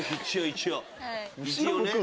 一応ね。